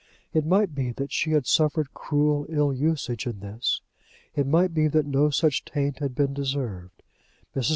It might be that she had suffered cruel ill usage in this. It might be that no such taint had been deserved. Mrs.